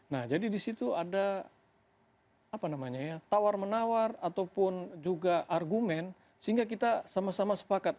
nah jadi di situ ada tawar menawar ataupun juga argumen sehingga kita sama sama sepakat